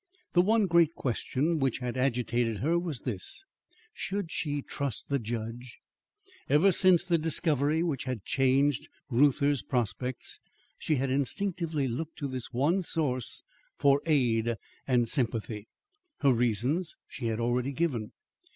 The one great question which had agitated her was this: Should she trust the judge? Ever since the discovery which had changed Reuther's prospects, she had instinctively looked to this one source for aid and sympathy. Her reasons she has already given.